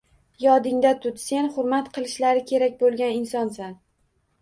Yodingda tut: sen hurmat qilishlari kerak bo‘lgan insonsan